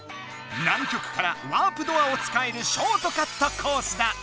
南極からワープドアをつかえるショートカットコースだ。